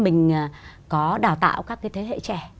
mình có đào tạo các cái thế hệ trẻ